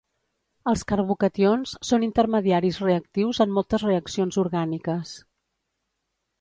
Els carbocations són intermediaris reactius en moltes reaccions orgàniques.